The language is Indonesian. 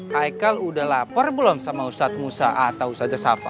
haikal udah lapar belum sama ustad musa atau ustad jesafa